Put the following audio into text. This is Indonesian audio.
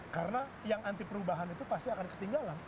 karena yang anti perubahan itu pasti akan ketinggalan